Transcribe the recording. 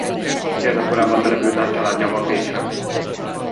Gyermekkorában települt át családjával Pécsre.